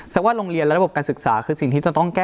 ว่าโรงเรียนและระบบการศึกษาคือสิ่งที่จะต้องแก้